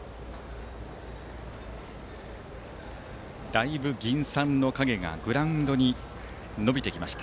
だいぶ銀傘の影がグラウンドに伸びてきました